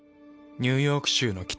ニューヨーク州の北。